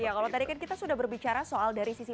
ya kalau tadi kan kita sudah berbicara soal dari sisi